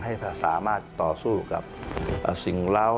ให้สามารถต่อสู้กับสิ่งเหล้า